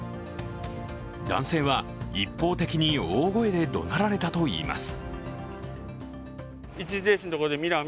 男性は、一方的に大声で怒鳴られたといいます。